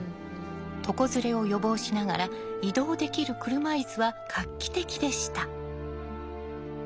床ずれを予防しながら移動できる車いすは画期的でした。